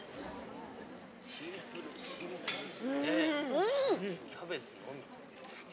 うん！